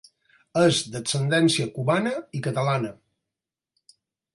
És d'ascendència cubana i catalana.